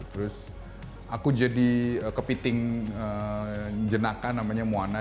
terus aku jadi kepiting jenaka namanya muana